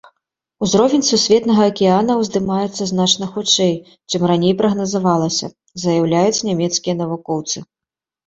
Узровень сусветнага акіяна ўздымаецца значна хутчэй, чым раней прагназавалася, заяўляюць нямецкія навукоўцы.